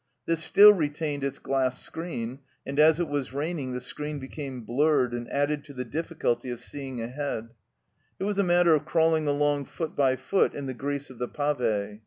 This still retained its glass screen, and as it was raining the screen became blurred and added to the difficulty of seeing ahead. It was a matter of crawling along foot by foot in the grease of the pave.